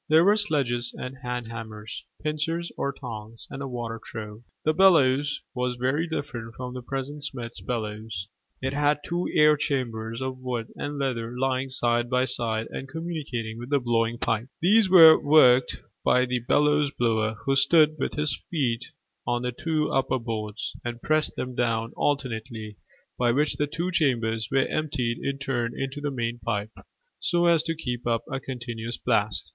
There were sledges and hand hammers, pincers or tongs, and a water trough. The bellows was very different from the present smith's bellows: it had two air chambers of wood and leather lying side by side and communicating with the blowing pipe. These were worked by a bellows blower, who stood with his feet on the two upper boards, and pressed them down alternately, by which the two chambers were emptied in turn into the main pipe, so as to keep up a continuous blast.